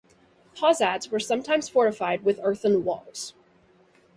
Posads were sometimes fortified with earthen walls.